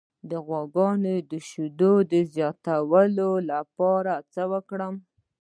د غواګانو د شیدو زیاتولو لپاره څه وکړم؟